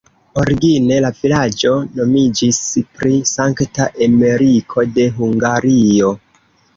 Origine la vilaĝo nomiĝis pri Sankta Emeriko de Hungario.